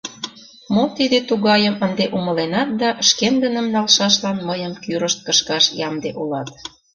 — Мо тиде тугайым ынде умыленат да шкендыным налшашлан мыйым кӱрышт кышкаш ямде улат.